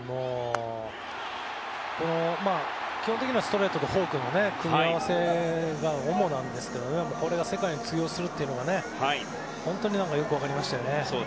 基本的にはストレートとフォークの組み合わせが主なんですがこれが世界で通用するというのが本当によく分かりましたよね。